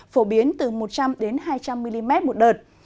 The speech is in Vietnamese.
phổ biến từ một trăm linh hai trăm linh mm một đợt